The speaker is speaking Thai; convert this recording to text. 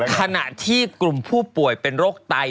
ขณะที่กลุ่มผู้ป่วยเป็นโรคไต